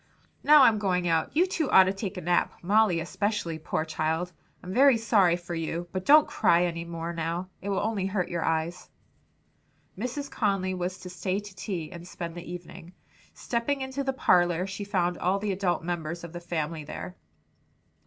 Now I'm going out. You two ought to take a nap; Molly especially, poor child! I'm very sorry for you; but don't cry any more now. It will only hurt your eyes." Mrs. Conly was to stay to tea and spend the evening. Stepping into the parlor she found all the adult members of the family there.